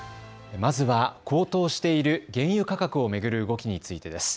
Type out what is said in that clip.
まずは、高騰している原油価格を巡る動きについてです。